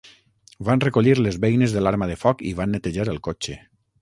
Van recollir les beines de l'arma de foc i van netejar el cotxe.